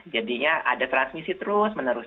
jadinya ada transmisi terus menerus